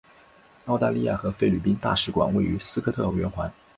澳大利亚和菲律宾大使馆位于斯科特圆环。